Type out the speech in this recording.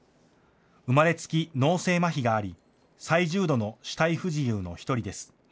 生まれつき脳性マヒがあり最重度の肢体不自由の１人です。